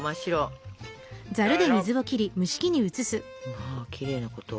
まきれいなこと。